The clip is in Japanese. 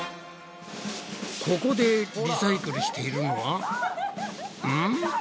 ここでリサイクルしているのはうん？